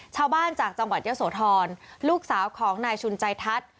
จากจังหวัดเยอะโสธรลูกสาวของนายชุนใจทัศน์